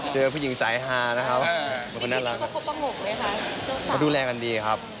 เจอผู้หญิงสายฮานะครับ